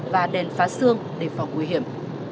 và đèn phá sương để phóng nguy hiểm